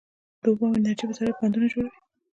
د اوبو او انرژۍ وزارت بندونه جوړوي